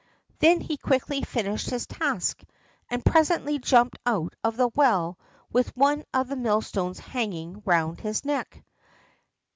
Then he quickly finished his task, and presently jumped out of the well with one of the millstones hanging round his neck.